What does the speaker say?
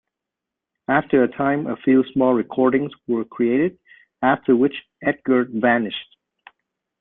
After a time, a few small recordings were created, after which Edgar vanished.